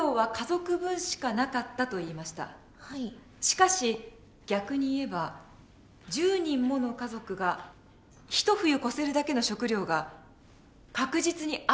しかし逆に言えば１０人もの家族が一冬越せるだけの食料が確実にあった訳だ。